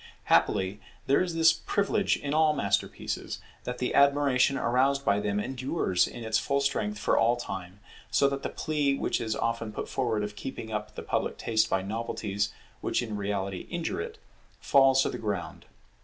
Happily there is this privilege in all masterpieces, that the admiration aroused by them endures in its full strength for all time; so that the plea which is often put forward of keeping up the public taste by novelties which in reality injure it, falls to the ground.